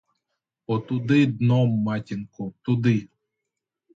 Отуди дном, матінко, туди.